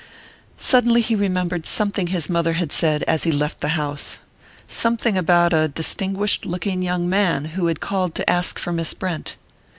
Suddenly he remembered something his mother had said as he left the house something about a distinguished looking young man who had called to ask for Miss Brent.